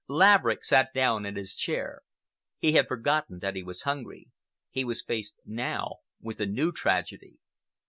Laverick sat down in his chair. He had forgotten that he was hungry. He was faced now with a new tragedy.